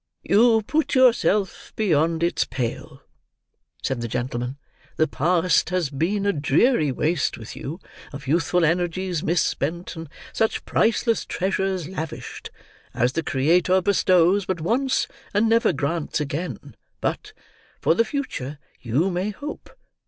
"You put yourself beyond its pale," said the gentleman. "The past has been a dreary waste with you, of youthful energies mis spent, and such priceless treasures lavished, as the Creator bestows but once and never grants again, but, for the future, you may hope.